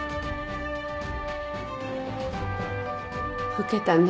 老けたな。